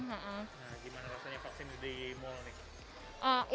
nah gimana rasanya vaksin di mall nih